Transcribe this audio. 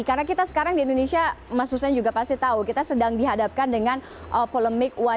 karena kita sekarang di indonesia mas hussein juga pasti tahu kita sedang dihadapkan dengan polemik wacana